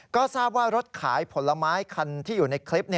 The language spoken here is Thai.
ก็ทราบว่ารถขายผลไม้คันที่อยู่ในคลิป